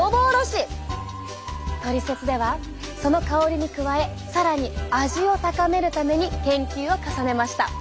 トリセツではその香りに加え更に味を高めるために研究を重ねました。